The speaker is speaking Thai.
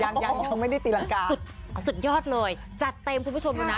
ยังยังไม่ได้ตีรังกาสุดยอดเลยจัดเต็มคุณผู้ชมดูนะ